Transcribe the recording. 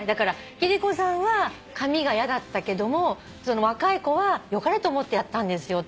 貴理子さんは紙が嫌だったけども若い子は良かれと思ってやったんですよっていう。